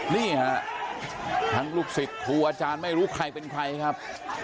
นี่ฮะทั้งลูกศิษย์ครูอาจารย์ไม่รู้ใครเป็นใครครับ